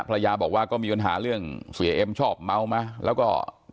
ภรรยาบอกว่าก็มีปัญหาเรื่องเสียเอ็มชอบเมามาแล้วก็